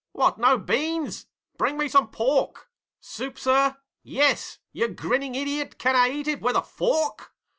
'What, no beans?' 'Bring me some pork!' 'Soup, sir?' 'Yes. You grinning idiot, can I eat it with a FORK?'